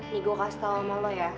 nih gue kasih tau sama lo ya